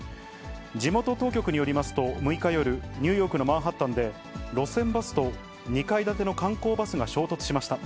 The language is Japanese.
地元当局によりますと、６日夜、ニューヨークのマンハッタンで、路線バスと２階建ての観光バスが衝突しました。